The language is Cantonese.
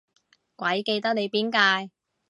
鬼記得你邊屆